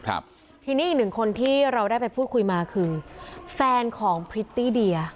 ครับทีนี้อีกหนึ่งคนที่เราได้ไปพูดคุยมาคือแฟนของพริตตี้เดีย